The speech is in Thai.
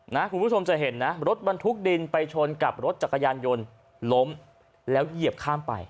คุณผู้ชมจะเห็นนะรถบรรทุกดินไปชนกับรถจักรยานยนต์ล้มแล้วเหยียบข้ามไป